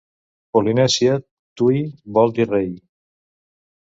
Polinèsia Tu'i vol dir rei.